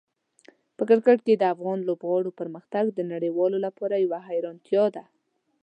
په کرکټ کې د افغان لوبغاړو پرمختګ د نړیوالو لپاره یوه حیرانتیا ده.